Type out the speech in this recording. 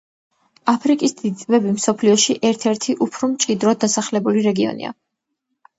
აფრიკის დიდი ტბები მსოფლიოში ერთ-ერთი უფრო მჭიდროდ დასახლებული რეგიონია.